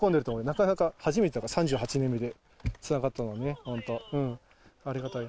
なかなか、初めてだから、３８年目でつながったのはね、本当、ありがたい。